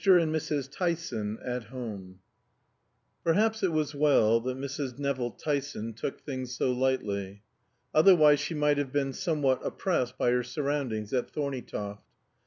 AND MRS. NEVILL TYSON AT HOME Perhaps it was well that Mrs. Nevill Tyson took things so lightly, otherwise she might have been somewhat oppressed by her surroundings at Thorneytoft.